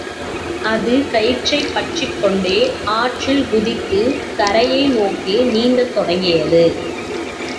அது கயிற்றைப் பற்றிக் கொண்டே ஆற்றில் குதித்துக் கரையை நோக்கி நீந்தத் தொடங்கியது.